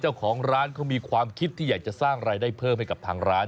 เจ้าของร้านเขามีความคิดที่อยากจะสร้างรายได้เพิ่มให้กับทางร้าน